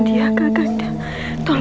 dinda aku katakan